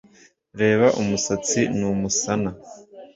reba umusatsi ni umusana